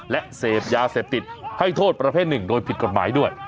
และเสพยาเสพติดให้โทษประเภทหนึ่งโดยผิดกฎหมายด้วย